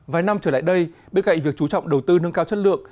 vài năm trở lại đây bên cạnh việc chú trọng đầu tư nâng cao chất lượng